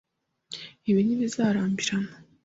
Ibi ntibizarambirana.